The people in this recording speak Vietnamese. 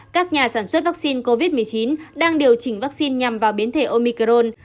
các nhà sản xuất vaccine covid một mươi chín đang điều chỉnh vaccine nhằm vào biến thể omicron